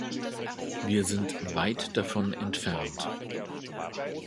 Wir sind weit davon entfernt.